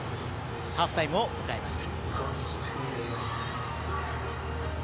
ハーフタイムを迎えました。